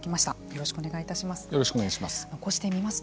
よろしくお願いします。